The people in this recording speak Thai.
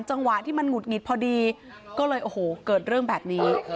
จังหวะที่มันหุดหงิดพอดีก็เลยโอ้โหเกิดเรื่องแบบนี้